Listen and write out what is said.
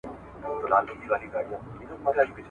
د معلوماتو تر راټولولو وروسته ژر ارزیابي مه کوئ.